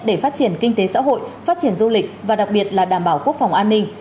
để phát triển kinh tế xã hội phát triển du lịch và đặc biệt là đảm bảo quốc phòng an ninh